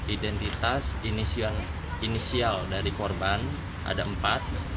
identitas inisial dari korban ada empat